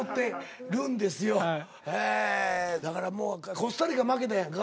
だからもうコスタリカ負けたやんか。